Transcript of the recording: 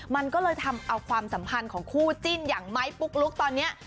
มันก็เลยทำเอาความสัมพันธ์ของคู่จิ้นอย่างไม้ปุ๊กลุ๊กตอนนี้